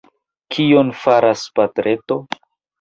Kion faras patreto?